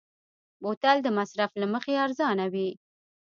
بوتل د مصرف له مخې ارزانه وي.